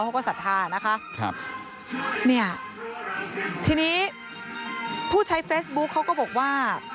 เขาก็ศรัทธานะคะครับเนี่ยทีนี้ผู้ใช้เฟซบุ๊คเขาก็บอกว่า